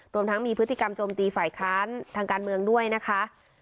รวมทั้งมีพฤติกรรมโจมตีฝ่ายค้านทางการเมืองด้วยนะคะ